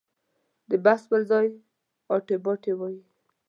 د بحث پر ځای اوتې بوتې ووایي.